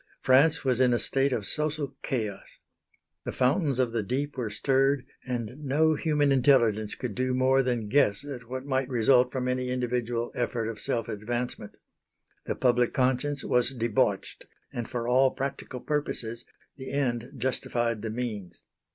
France was in a state of social chaos. The fountains of the deep were stirred, and no human intelligence could do more than guess at what might result from any individual effort of self advancement. The public conscience was debauched, and for all practical purposes the end justified the means.